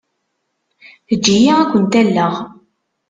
Eǧǧ-iyi ad kent-alleɣ.